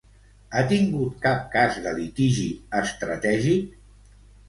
Ha tingut cap cas de litigi estratègic?